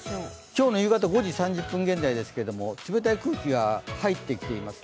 今日の夕方５時３０分現在ですが、冷たい空気が入ってきています。